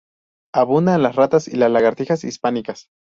Abundan las ratas y las lagartijas hispánicas.